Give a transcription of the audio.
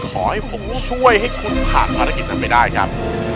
ขอให้ผมช่วยให้คุณผ่านภารกิจนั้นไปได้ครับ